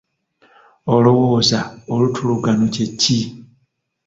Olowooza olutuluggano kye ki?